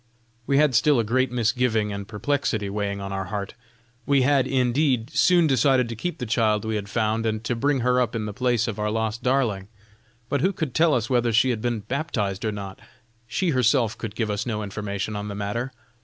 We had still a great misgiving and perplexity weighing on our heart. We had, indeed, soon decided to keep the child we had found and to bring her up in the place of our lost darling; but who could tell us whether she had been baptized or not? She herself could give us no information on the matter.